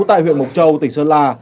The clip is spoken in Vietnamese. tại huyện mộc châu tỉnh sơn la